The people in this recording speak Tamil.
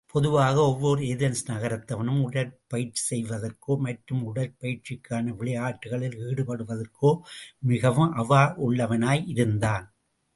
பொதுவாக ஒவ்வோர் ஏதென்ஸ் நகரத்தவனும் உடற்பயிற்சி செய்வதற்கோ மற்றும் உடற்பயிற்சிக்கான விளையாட்டுக்களில் ஈடுபடுவதற்கோ மிகவும் அவா உள்ளவனாய் இருந்தான்.